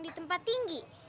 di tempat tinggi